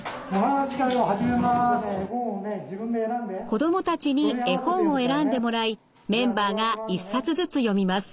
子どもたちに絵本を選んでもらいメンバーが１冊ずつ読みます。